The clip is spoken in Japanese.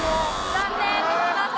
残念。